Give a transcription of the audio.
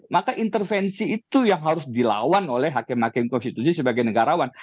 maka intervensi itu yang harus dilawan oleh hakim hakim konstitusi sebagai negarawan